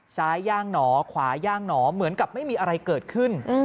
ย่างหนอขวาย่างหนอเหมือนกับไม่มีอะไรเกิดขึ้น